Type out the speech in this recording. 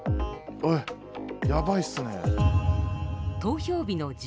えっやばいっすね。